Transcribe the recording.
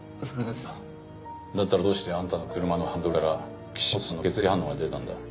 だったらどうしてアンタの車のハンドルから岸本さんの血液反応が出たんだ？